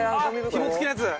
ひも付きのやつ？